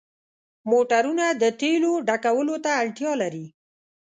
موټرونه د تیلو ډکولو ته اړتیا لري.